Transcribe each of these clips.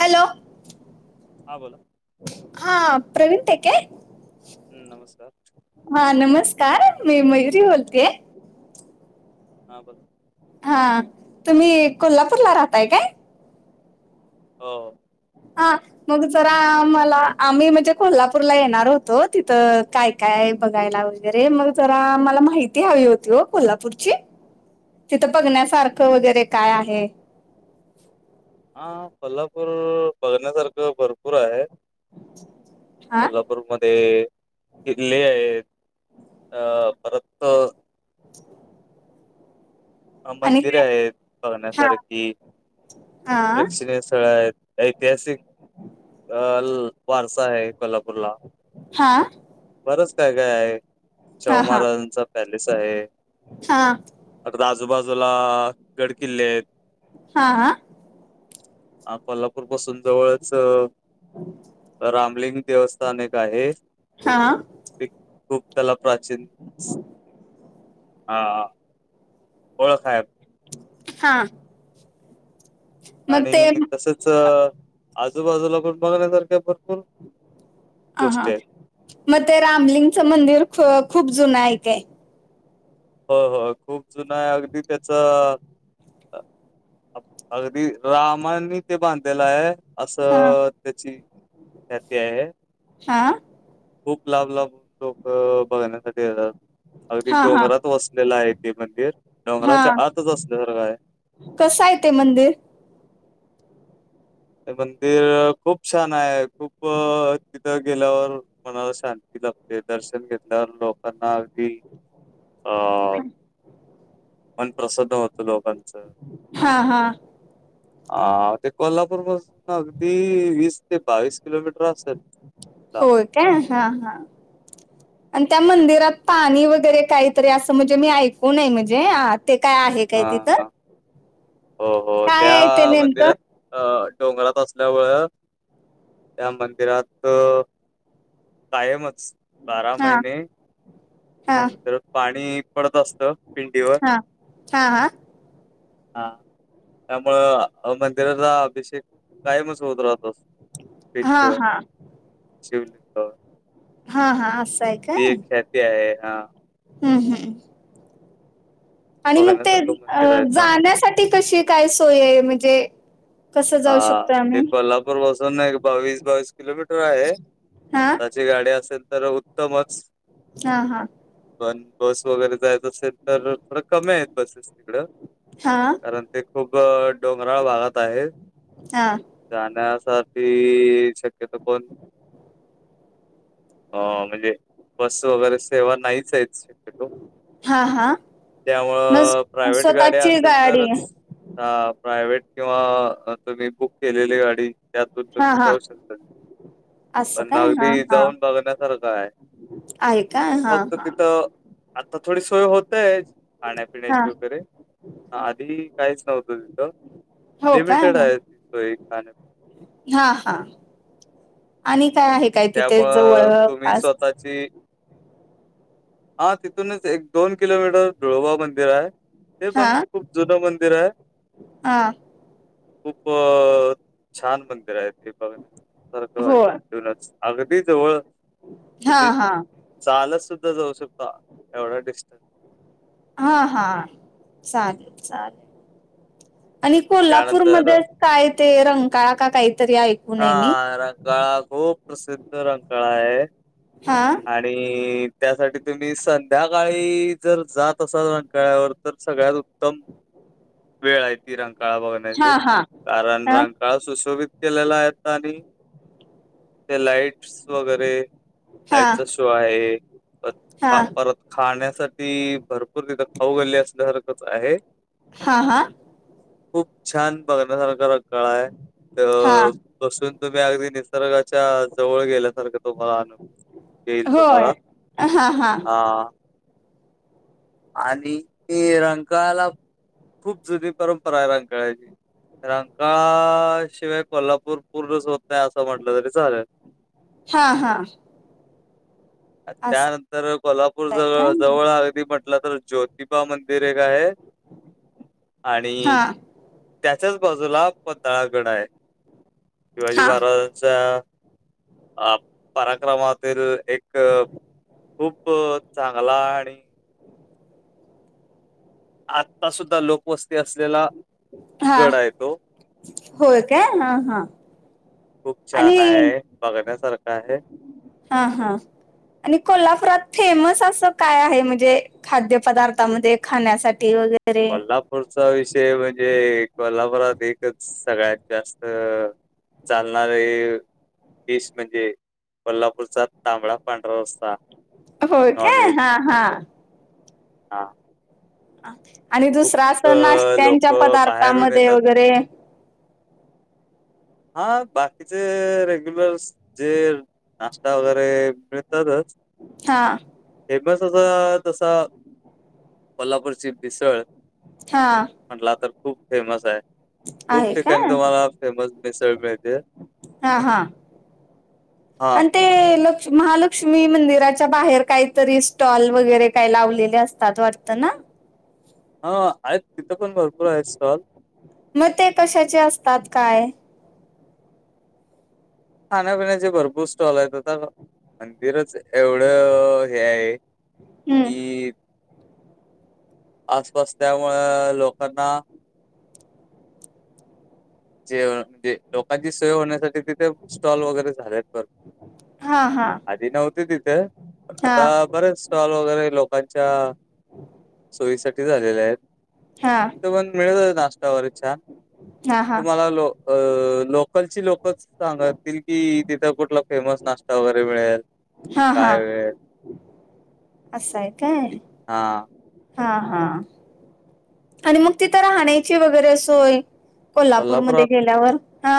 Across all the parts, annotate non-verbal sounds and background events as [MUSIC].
Hello. हां बोला. हां, प्रवीण टेके? हम्म, नमस्कार. हा नमस्कार मी मयुरी बोलतिये. हा बोला. हा तुम्ही कोल्हापूरला राहताय काय? हो. हा मग जरा आमला आम्ही म्हणजे कोल्हापूरला येणार होतो तिथं काय काय बघायला वगैरे मग जरा मला माहिती हवी होती हो कोल्हापूरची. तिथं बघण्यासारखं वगैरे काय आहे? हा कोल्हापूर बघण्यासारखं भरपूर आहे हा कोल्हापू पूरमध्ये किल्ले आहेत अ परत [INAUDIBLE] अ आणि मंदिरे काय आहेत हा बघण्यासारखी प्रेक्षणीय स्थळं आहेत. ऐतिहासिक अ वारसा आहे कोल्हापूरला. हा. बरचं काय काय आहे हा शाहू हा महाराजांचा पॅलेस आहे. हा. आजूबाजूला गडकिल्ले आहेत. हा हा. आ कोल्हापूर पासून जवळच रामलिंग देवस्थान एक आहे. हा. खूप त्याला प्राचीन आ ओळख आहे. हा. मग आणि ते तसेच आजूबाजूला पण बघण्यासारख्या भरपूर अ हा गोष्टी आहेत. मग ते रामलिंगचं मंदिर ख खूप जुन आहे काय? होय होय खूप जुनयं अगदी त्याचं अगदी रामानी ते बांधलेल आहे. हा असं त्याची ख्याती आहे. हा खूप लांब लांबून लोक बघण्यासाठी येतात अगदी हा हा डोंगरात वसलेलं आहे ते मंदिर डोंगराच्या आतच असल्यासारखं आहे. कसयं ते मंदिर? ते मंदिर खूप छान आहे खूप तिथं गेल्यावर मनाला शांती लाभते दर्शन घेतल्यावर लोकांना अगदी अ मन प्रसन्न होत लोकांचं. हा हा. आ ते कोल्हापूर पासून अगदी वीस ते बावीस किलोमीटर असल लांब. होय काय हा हा. आणि त्या मंदिरात पाणी वगैरे काहीतरी असं म्हणजे मी ऐकूनय म्हणजे ते काय आहे? काय हां, तिथं? हां. हो हो काय त्या आहे ते नेमकं मंदिरात अ डोंगरात असल्यामुळं त्या मंदिरात कायमच बारा हा महिने त्या हा मंदिरात पाणी पडत असत पिंडीवर. हा हा हा हा त्यामुळं मंदिराचा अभिषेक कायमच होत राहत असतो हा पिंडीवर हा शिवलिंगावर. हा हा असंय ती एक ख्याती आहे हा. हम्म हम्म. आणि मग ते बघण्यासारखं अ मंदिर आहे चांगलं. जाण्यासाठी कशी काय सोय आहे म्हणजे कसं जाऊ शकतोय आम्ही? पासून एक बावीस बावीस किलोमीटर आहे हा जर गाडी असेल तर उत्तमचं. हा हा. पण बस वगैरे जायच असेल तर थोड कमी आहेत बसेस. तिकडं हा कारण ते खूप डोंगराळ भागात आहे. हा. जाण्यासाठी शक्यता कोण आ म्हणजे बस वगैरे सेवा नाहीच आहेत शक्य तो हा हा मग त्यामुळं प्रायव्हेट गाडी स्वतःची असेल गाडी तरचं आ प्रायव्हेट किंवा तुम्ही बुक केलेली गाडी त्यातून हा तुम्ही हा जाऊ शकतात. असं पण काय हा अगदी हा जाऊन बघण्यासारखं आहे. आहे का? हा फक्त हा. तिथं आता थोडी सोय होतय हा खाण्यापिण्याची वगैरे. आधी काहीच नव्हतं तिथं. हो का? लिमिटेड आहे ती सोय खाण्या हा हा आणि काय आहे काय तिथे जवळपास? सी हा तिथूनच एक दोन किलोमीटर धुळोबा मंदिर आहे. ते हा पण खूप जुनं मंदिर आहे. हा खूप छान मंदिर आहे बघण्यासारखं. होय. नच अगदी जवळ हा तुम्ही हा चालत सुद्धा जाऊ शकता एवढा डिस्टन्स हा हा चालेल चालेल आणि त्यानंतर कोल्हापूरमध्ये काय ते रंकाळा का काहीतरी ऐ हा रंकाळा खूप प्रसिद्ध रंकाळा आहे. हा. आणि त्यासाठी तुम्ही संध्याकाळी जर जात असाल रंकाळ्यावर तर सगळ्यात उत्तम [INAUDIBLE] वेळ आहे ती रंकाळा बघण्याची हा हा कारण हा रंकाळा सुशोभित के लाय आता आणि ते लाइट्स वगैरे हा लाइटचा शो आहे प हा पा परत खाण्यासाठी भरपूर तिथं खाऊ गल्ली असल्यासारखंच आहे. हा हा. खूप छान बघण्यासारखा रंकाळा आहे त्यो हा बसून तुम्ही अगदी निसर्गाच्या जवळ गेल्यासारखं तुम्हाला अनुभव येईल होय तुम्हाला हा हा आ [INAUDIBLE] आणि ते रंकाळाला खूप जुनी परंपरा आहे रंकाळाची रंकाळाशिवाय कोल्हापूर पूर्णच होत नाही असं म्हटलं तरी चालेल. हा हा. असं त्यानंतर कोल्हापूर आहे का जवळ जवळ अगदी म्हटलं तर ज्योत तिबा मंदिर एक आहे आणि हा त्याच्याच बाजूला पन्हाळागड आहे शिवाजी हा महाराजांचा अ पराक्रमातील एक खूप चांगला आणि आत्ता सुद्धा लोकवस्ती असलेला हा गड आहे तो होय काय हा हा खूप छान आणि आहे. बघण्यासारखा आहे. हा हां आणि कोल्हापुरात फेमस असं काय आहे? म्हणजे खाद्य पदार्थामध्ये खाण्यासाठी वगै कोल्हापूरचा विषय म्हणजे कोल्हापुरात एकच सगळ्यात जास्त चालणारी डिश म्हणजे कोल्हापूरचा तांबड पांढरा रस्सा. होय काय नॉनव्हेज हा हा. हा. आणि खूप दुसरा असं नाश्त्यांच्या लोक बाहेरून पदार्थामध्ये येतात वगैरे हा बाकीचे रेग्युलर जे नाश्ता वगैरे मिळतातचं. हा. फेमस असा तसा कोल्हापूरची मिसळ. हा. म्हटला तर खूप फेमस आहे खूप आहे का ठिकाणी तुम्हाला फेमस मिसळ मिळते. हा हा हा आणि ते ल महालक्ष्मी मंदिराच्या बाहेर काहीतरी स्टॉल वगैरे काही लावलेले असतात वाटतं ना. हा आहेत तिथं पण भरपूर आहेत स्टॉल. मग ते कशाचे असतात काय? खाण्यापिण्याचे भरपूर स्टॉल आहेत आता मंदिरच एवढं हे आहे. हम्म. की आसपास त्यामुळं लोकांना जेव म्हणजे लोकांची सोय होण्यासाठी तिथे स्टॉल वगैरे झालेत भरपूर. हा हा. आधी नव्हती तिथं पण हा आता बरेच स्टॉल वगैरे लोकांच्या सोयीसाठी झालेले आहेत. हा. पण मिळत आहे नाश्ता वगैरे छान. हा हा. तुम्हाला लो अ लोकलची लोकचं सांगतील कि तिथं कुठला फेमस नाश्ता वगैरे मिळेल. हा हा काय मिळेल असंय काय? हा हा हा आणि मग तिथं राहण्याची वगैरे सोय कोल्हापुरात कोल्हापूरमध्ये गेल्यावर हा.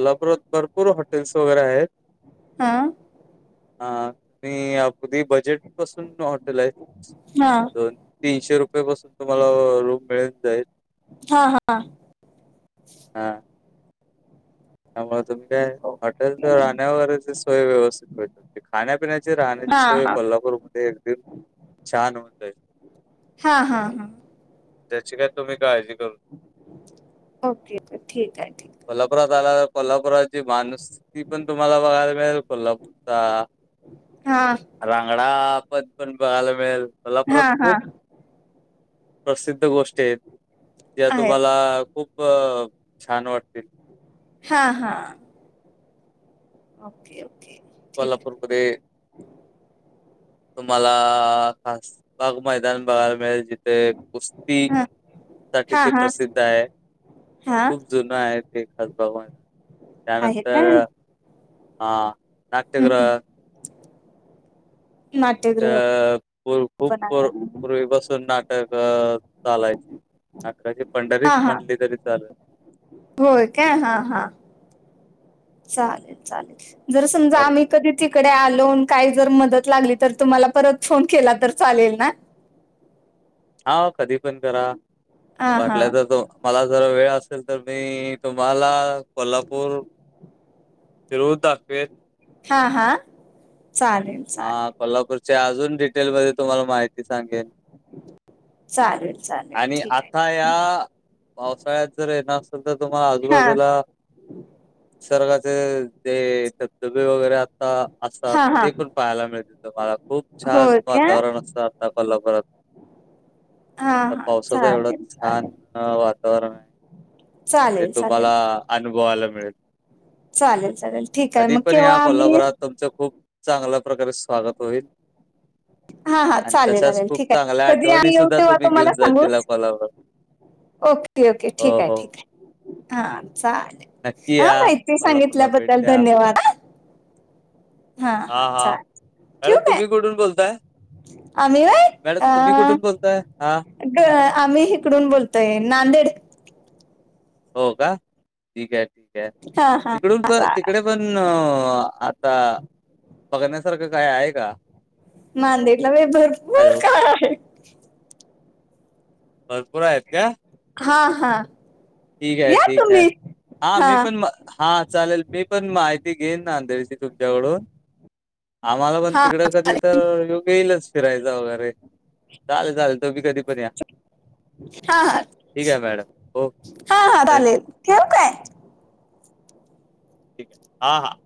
कोल्हापूरात भरपूर हॉटेल्स वगैरे आहेत. हा. हा आणि अगदी बजेट पासून हॉटेल आहे हा दोन. तीनशे रुपयेपासून तुम्हाला रूम मिळून जाईल. हा हा. हा. त्यामुळे तुम्ही काय हॉटेलच्या राहण्या वगैरेची सोय व्यवस्थित भेटल. खाण्यापिण्याची, राहण्याची हा सोय हा कोल्हापूरमध्ये एकदम छान होऊन जाईल. हा, हा, हा. त्याची काय तुम्ही काळजी करून ओके, तर ठीक आहे, ठीक. कोल्हापुरात आला कोल्हापुराची माणूसकी पण तुम्हाला बघायला मिळेल कोल्हापूरचा आहे हा. रांगडा पद पण बघायला मिळेल हा कोल्हापुरात हा खूप प्रसिद्ध गोष्टी आहेत ज्या आहे तुम्हाला खूप छान वाटतील. हा, हा. Okay, okay. ठीक तुम्हाला [UNINTELLIGIBLE] मध्ये तुम्हाला खास बाग मैदान बघायला मिळेल. जि ते आहे कुस्तीसाठी हा हा ते हा प्रसिद्ध आहे. हा खूप जुनं आहे ते [UNINTELLIGIBLE] आहे का त्यानंतर हम्म हा हम्म नाट्यगृह अ नाट्यगृह खू खूप पण पुर्वीपासुन नाट्य तर चालायची. नाटकाची हा पंढरीच हा म्हणली तरी चालेल. होय काय? हा, हा चालेल चालेल. जर समजा पर आम्ही कधी तिकडे आलो न काही जर मदत लागली तर तुम्हाला परत फोन केला तर चालेल ना? हा कधी पण करा. हा हा वाटला तर तो मला जर वेळ असेल, तर मी तुम्हाला कोल्हापूर फिरवून दाखवेन. हा, हा चालेल. हा चालेल कोल्हापूरच्या अजून डिटेलमध्ये तुम्हाला माहिती सांगेन. चालेल चालेल आणि ठीक आहे आता ठीक या पावसाळ्यात जर येणार असेल, तर तुम्हाला आहे आजूबाजूला निसर्गाचे जे धबधबे वगैरे आता हा असतात हा हा ते पण पाहायला मिळते तुम्हाला खूप छान होय का वातावरण असत आता कोल्हापुरात. हा हा पावसाच एवढं चालेल छान चालेल वातावरण आहे. चालेल, चालेल. अनुभवाला मिळेल. चालेल, चालेल ठीक आहे. कधी मग पण केव्हा या आम्ही कोल्हापुरात तुमचं खूप चांगल्या प्रकारे स्वागत होईल. हा हा आणि चालेल तशाच चालेल खूप ठीक आहे चांगल्या कधी आठवणी आम्ही येऊ सुद्धा तेव्हा तुम्ही तुम्हाला घेऊन जाचीला सांगूच कोल्हापुरातनं. Okay, okay. ठीक आहे, ठीक आहे. हा चालेल. नक्की हा या. माहिती कोल्हापूरला भेट सांगितल्याबद्दल द्या. धन्यवाद हा. हा, हा. हां, हां. चालेल ठ्यू मॅडम काय? तुम्ही कुठून बोलताय? आम्ही व्हय मॅडम अ तुम्ही कुठून बोलताय? हां. आम्ही इकडून बोलतोय नांदेड. हो का? ठीक आहे, ठीक आहे. हा हा तिकडून हा, प चालेल तिकडे पण आता बघण्यासारखं काय आहे का? नांदेडला‌ होय भरपूर हॅलो. काय आहे. भरपूर आहेत का? हा, हा. ठिक हाय, या ठिक हाय. तुम्ही. हा मी पण हा चालेल मी पण माहिती घेईन. नांदेडची तुमच्याकडून. आम्हाला पण हा हा, तिकडं कधी चालेल. तर यो गेईलच, फिरायला जावणारे. चाले चालेल तुम्ही कधीपण या. हा हा ठीक आहे मॅडम, हो. हा हा चालेल, धन्यवाद. ठेऊ काय? ठीक आहे, हा हा.